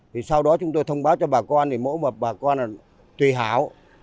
thì sau đó chúng tôi thông báo cho bà con thì mỗi một bà con là tùy hảo